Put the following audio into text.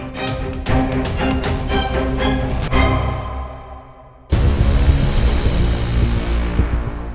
aduh mana sih itu pelayan